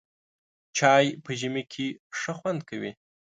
چای په ژمي کې ښه خوند کوي.